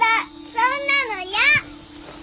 そんなの嫌！